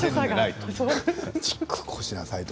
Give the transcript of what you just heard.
こうしなさいと。